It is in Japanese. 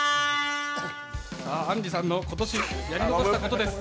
あんりさんの今年やり残したことです。